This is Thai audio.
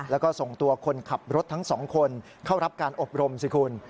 แล้วก็ส่งตัวคนขับรถทั้ง๒คนเข้ารับการอบรมสิคุณ